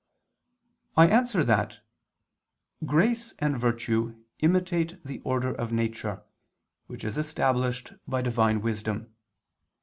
I answer that, Grace and virtue imitate the order of nature, which is established by Divine wisdom.